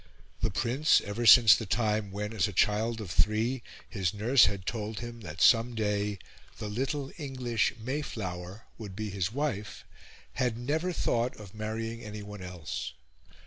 The Prince, ever since the time when, as a child of three, his nurse had told him that some day "the little English May flower" would be his wife, had never thought of marrying anyone else.